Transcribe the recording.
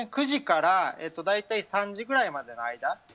９時からだいたい３時ぐらいまでの間。